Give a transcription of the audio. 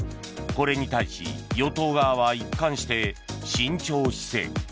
これに対し与党側は一貫して慎重姿勢。